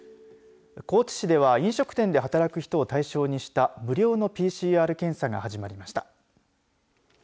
高知市では飲食店で働く人を対象にした無料のＰＣＲ検査が始まりました。